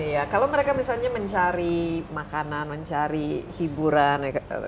iya kalau mereka misalnya mencari makanan mencari hiburan